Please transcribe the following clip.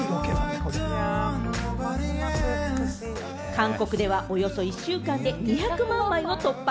韓国ではおよそ１週間で２００万枚を突破。